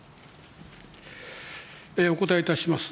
お答えいたします。